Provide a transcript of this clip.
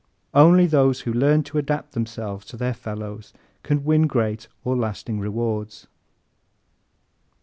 Only those who learn to adapt themselves to their fellows can win great or lasting rewards.